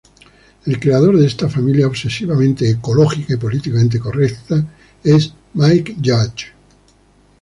El creador de esta familia obsesivamente ecológica y políticamente correcta es Mike Judge.